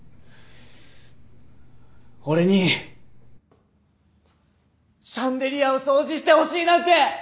俺にシャンデリアを掃除してほしいなんて！